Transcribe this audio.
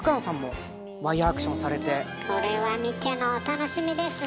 これは見てのお楽しみですね！